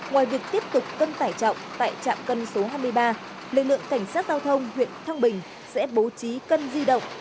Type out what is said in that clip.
ngoài việc tiếp tục cân tải trọng tại trạm cân số hai mươi ba lực lượng cảnh sát giao thông huyện thăng bình sẽ bố trí cân di động